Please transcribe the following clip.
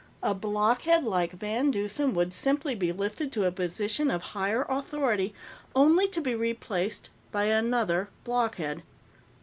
A blockhead like VanDeusen would simply be lifted to a position of higher authority, only to be replaced by another blockhead.